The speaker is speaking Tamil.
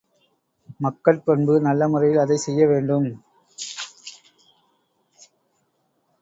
மக்கட் பண்பு நல்ல முறையில் அதைச் செய்யவேண்டும்.